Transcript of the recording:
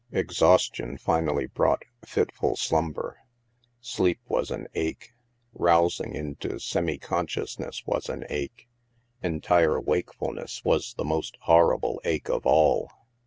Exhaustion finally brought fitful slumber. Sleep was an ache; rousing into semi consciousness was an ache ; entire wakefulness was the most horrible ache of all.